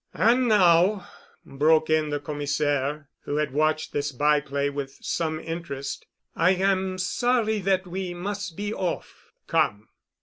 "And now," broke in the Commissaire, who had watched this byplay with some interest, "I am sorry that we must be off. Come."